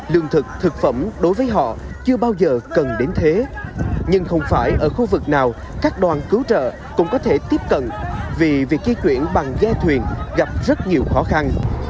lương thực thực phẩm đối với họ chưa bao giờ cần đến thế nhưng không phải ở khu vực nào các đoàn cứu trợ cũng có thể tiếp cận vì việc di chuyển bằng ghe thuyền gặp rất nhiều khó khăn